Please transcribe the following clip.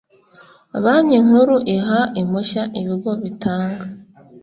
banki nkuru iha impushya ibigo bitanga